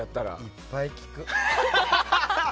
いっぱい聞く。